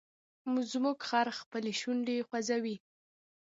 زموږ خر خپلې شونډې خوځوي.